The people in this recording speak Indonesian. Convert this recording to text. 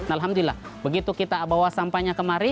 alhamdulillah begitu kita bawa sampahnya kemari